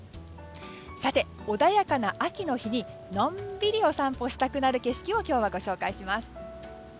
さて、穏やかな秋の日にのんびりお散歩したくなる風景を今日はご紹介します。